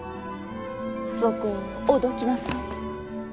そこをおどきなさい。